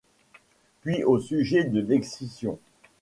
Puis au sujet de l'excision.